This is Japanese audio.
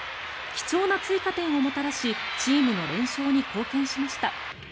貴重な追加点をもたらしチームの連勝に貢献しました。